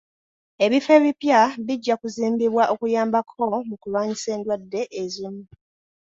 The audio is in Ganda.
Ebifo ebipya bijja kuzimbibwa okuyambako mu kulwanyisa endwadde ezimu.